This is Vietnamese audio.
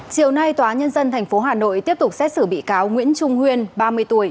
chiều nay tòa nhân dân tp hà nội tiếp tục xét xử bị cáo nguyễn trung huyên ba mươi tuổi